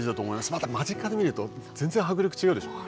また間近で見ると、全然迫力が違うでしょう？